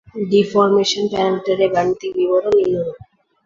deformation প্যারামিটারের গাণিতিক বিবরণ নিম্নরূপ: